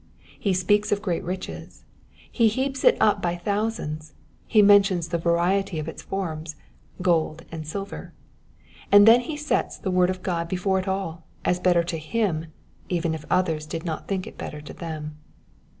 He speaks of great riches, he heaps it up by thousands, he mentions the varieties of its forms, —'* gold and silver'* ; and then he sets the word of God 'before it all, as better to him, even if others did not think it better to them.